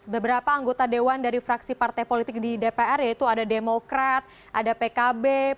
beberapa anggota dewan dari fraksi partai politik di dpr yaitu ada demokrat ada pkb